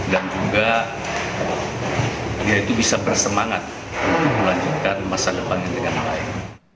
dan juga dia itu bisa bersemangat untuk melanjutkan masa depannya dengan baik